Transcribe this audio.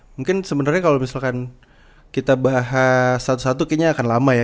mungkin sebenarnya kalau misalkan kita bahas satu satu kayaknya akan lama ya